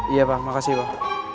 iya pak makasih pak